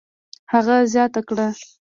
هغه زیاته کړه: